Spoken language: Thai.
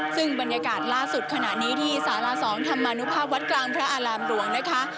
ซึ่งบรรยากาศล่าสุดขณะนี้ที่สาร๒ธรรมนุภาพวัดกลางพระอารามหลวงนะคะ